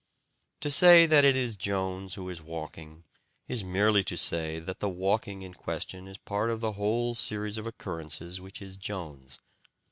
To say that it is Jones who is walking is merely to say that the walking in question is part of the whole series of occurrences which is Jones.